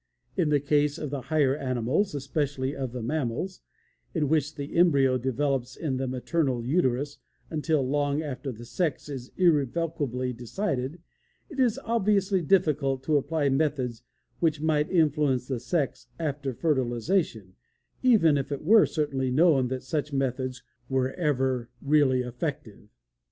In the case of the higher animals, especially of the mammals, in which the embryo develops in the maternal uterus until long after the sex is irrevocably decided, it is obviously difficult to apply methods which might influence the sex after fertilization, even if it were certainly known that such methods were ever really effective.